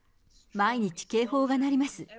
毎日、警報が鳴ります。